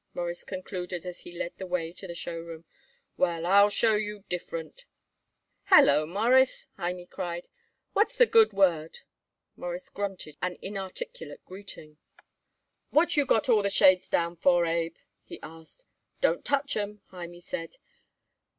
Morris concluded as he led the way to the show room. "Well, I'll show you different." "Hallo, Mawruss," Hymie cried. "What's the good word?" Morris grunted an inarticulate greeting. "What you got all the shades down for, Abe?" he asked. "Don't touch 'em," Hymie said.